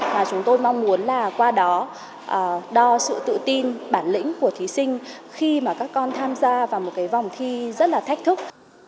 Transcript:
và chúng tôi mong muốn là qua đó đo sự tự tin bản lĩnh của thí sinh khi mà các con tham gia vào một cái vòng thi rất là thách thức